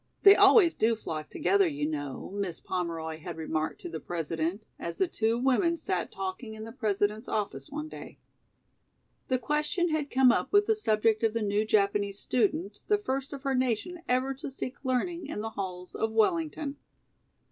"They always do flock together, you know," Miss Pomeroy had remarked to the President, as the two women sat talking in the President's office one day. The question had come up with the subject of the new Japanese student, the first of her nation ever to seek learning in the halls of Wellington.